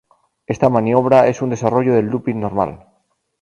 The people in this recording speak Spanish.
Esta maniobra es un desarrollo del looping normal.